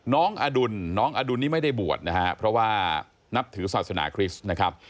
น้องอดุลน้องอดุลนี่ไม่ได้บวชนะฮะเพราะว่านับถือศาสนาคริสต์นะครับ